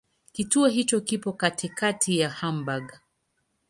Kituo hicho kipo katikati ya Hamburg.